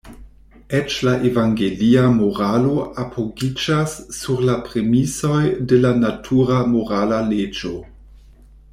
Eĉ la evangelia moralo apogiĝas sur la premisoj de la natura morala leĝo.